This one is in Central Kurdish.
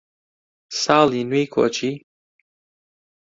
ساڵی نوێی کۆچی